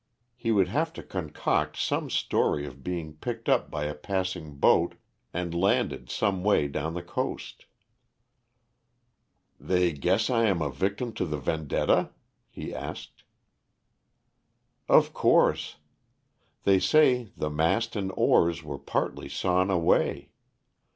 He would have to concoct some story of being picked up by a passing boat and landed some way down the coast. "They guess I am a victim to the vendetta?" he asked. "Of course. They say the mast and oars were partly sawn away.